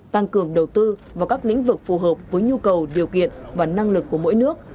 tăng cường đầu tư vào các lĩnh vực phù hợp với nhu cầu điều kiện và năng lực của mỗi nước